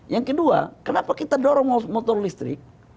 yang kedua kenapa kita dorong motor listrik